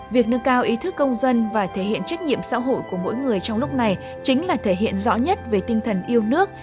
việc nâng cao ý thức công dân và thể hiện trách nhiệm xã hội của mỗi người trong lúc này chính là thể hiện rõ nhất về tinh thần yêu nước